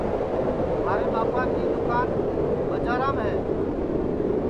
مھارے ٻاپا کی دوکان ٻجارام ہے